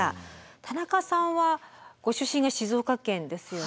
田中さんはご出身が静岡県ですよね。